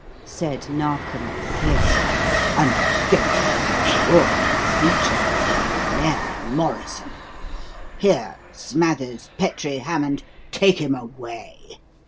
said Narkom fiercely. "And against a pure creature like Mary Morrison! Here, Smathers, Petrie, Hammond, take him away.